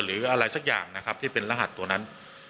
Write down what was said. หรืออะไรสักอย่างนะครับที่เป็นรหัสตัวนั้น